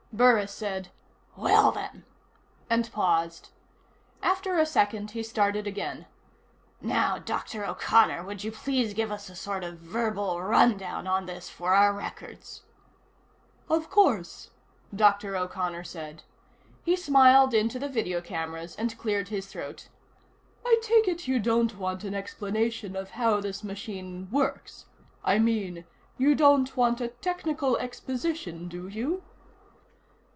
Burris said: "Well, then," and paused. After a second he started again: "Now, Dr. O'Connor, would you please give us a sort of verbal rundown on this for our records?" "Of course," Dr. O'Connor said. He smiled into the video cameras and cleared his throat. "I take it you don't want an explanation of how this machine works. I mean: you don't want a technical exposition, do you?"